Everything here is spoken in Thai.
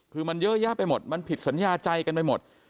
คือมันเยอะแยะไปหมดมันผิดสัญญาใจกันไปหมด